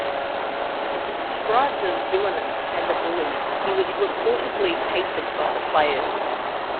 Described as "villainous" and a "bully", he was reportedly hated by the players.